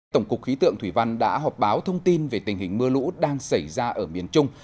tổng cục khí tượng thủy văn đã họp báo thông tin về tình hình mưa lũ đang xảy ra ở miền trung